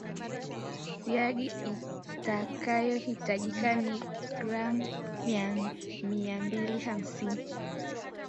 siagi itakayo hitajika ni gram mia mbili hamsini